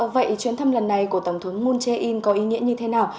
vậy chuyến thăm lần này của tổng thống moon jae in có ý nghĩa như thế nào